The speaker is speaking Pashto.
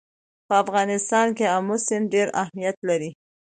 په افغانستان کې آمو سیند ډېر اهمیت لري.